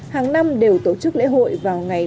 hàng năm đều tổ chức lễ hội vào ngày